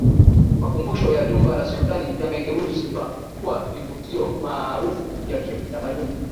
Makumbusho ya Jumba la Sultani yamegeuzwa kuwa vivutio maarufu vya kitamaduni